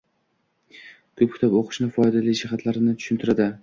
Koʻp kitob oʻqishni foydali jihatlarini tushuntirardi.